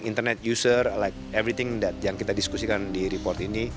internet user everything that yang kita diskusikan di report ini